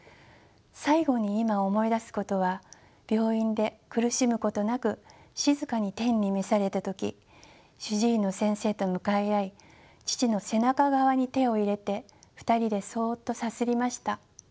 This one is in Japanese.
最後に今思い出すことは病院で苦しむことなく静かに天に召された時主治医の先生と向かい合い父の背中側に手を入れて２人でそっとさすりました。